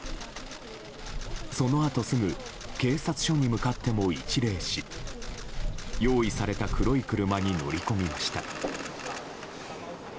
そのあとすぐ警察署に向かっても一礼し用意された黒い車に乗り込みました。